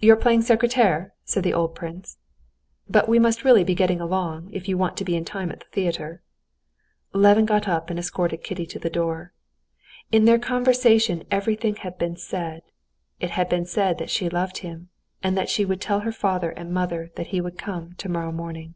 "You're playing secrétaire?" said the old prince. "But we must really be getting along if you want to be in time at the theater." Levin got up and escorted Kitty to the door. In their conversation everything had been said; it had been said that she loved him, and that she would tell her father and mother that he would come tomorrow morning.